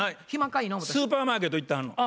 スーパーマーケット行ってはんの。